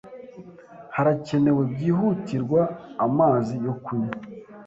Harakenewe byihutirwa amazi yo kunywa.